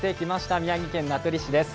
宮城県名取市です。